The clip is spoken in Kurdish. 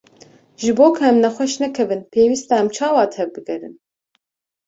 Ji bo ku em nexweş nekevin, pêwîst e em çawa tev bigerin?